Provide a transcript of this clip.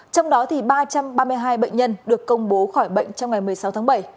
trong đó ba trăm ba mươi hai bệnh nhân được công bố khỏi bệnh trong ngày một mươi sáu tháng bảy